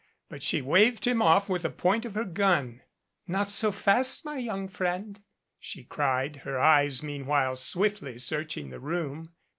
But she waved him off with the point of her gun. "Not so fast, my young friend!" she cried, her eyes meanwhile swiftly searching the room.